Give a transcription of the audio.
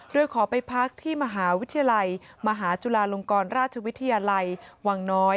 โดยขอไปพักที่มหาวิทยาลัยมหาจุฬาลงกรราชวิทยาลัยวังน้อย